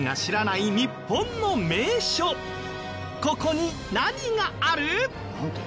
ここに何がある？